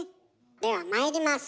ではまいります。